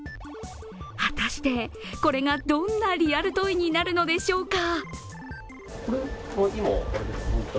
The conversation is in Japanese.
果たして、これがどんなリアルトイになるのでしょうか？